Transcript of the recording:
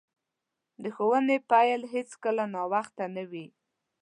د ښوونې پیل هیڅکله ناوخته نه وي.